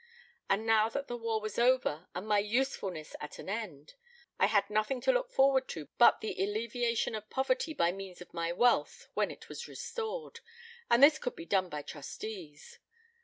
And now that the war was over and my usefulness at an end, I had nothing to look forward to but the alleviation of poverty by means of my wealth when it was restored, and this could be done by trustees.